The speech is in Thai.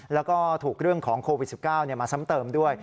แล้วก็ถูกเรื่องของโควิด๑๙มาซ้ำเติมด้วย